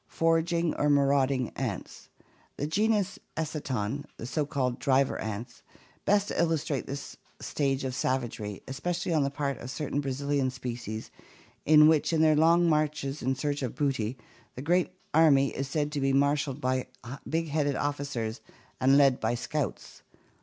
Foraging or marauding ants. The genus Eciton, the so called driver ants, best illustrate this stage of savagery, especially on the part of cer tain Brazilian species in which, in their long marches in search of booty, the great army is said to be marshaled by big headed officers and led by scouts!